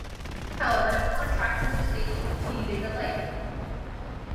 However, on tracks such as Baby, Can You Dig the Light?